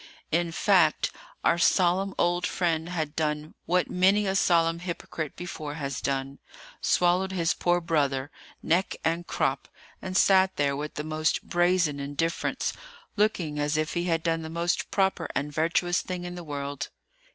In fact, our solemn old friend had done what many a solemn hypocrite before has done,—swallowed his poor brother, neck and crop,—and sat there with the most brazen indifference, looking as if he had done the most proper and virtuous thing in the world.